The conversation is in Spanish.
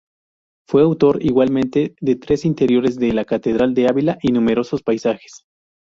Fue autor igualmente de tres interiores de la catedral de Ávila y numerosos paisajes.